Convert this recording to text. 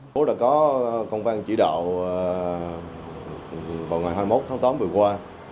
phố đã có công văn chỉ đạo vào ngày hai mươi một tháng tám vừa qua